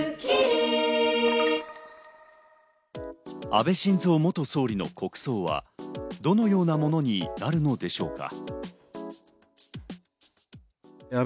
安倍晋三元総理の国葬はどのようなものになるのでしょうか。